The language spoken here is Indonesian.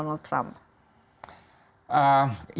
dengan seorang sosok presiden donald trump